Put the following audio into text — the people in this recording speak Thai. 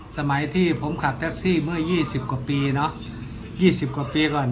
สมัยที่ผมขับแท็กซี่เมื่อยี่สิบกว่าปีเนาะยี่สิบกว่าปีก่อน